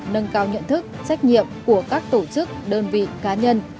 nâng cao nhận thức trách nhiệm của các tổ chức đơn vị cá nhân